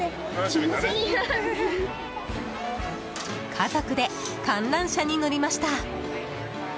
家族で観覧車に乗りました。